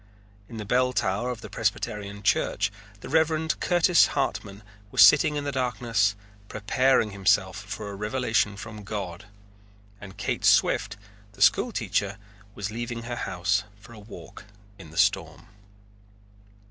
In the bell tower of the Presbyterian Church the Reverend Curtis Hartman was sitting in the darkness preparing himself for a revelation from God, and Kate Swift, the school teacher, was leaving her house for a walk in the storm.